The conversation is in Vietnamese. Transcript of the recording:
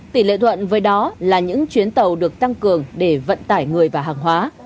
tỷ lệ thuận với đó là những chuyến tàu được tăng cường để vận tải người và hàng hóa